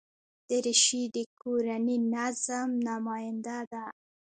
دریشي د کورني نظم نماینده ده.